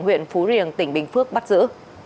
huyện phú riềng tỉnh bình phước bắt giữ